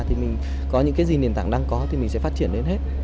thì mình có những cái gì nền tảng đang có thì mình sẽ phát triển đến hết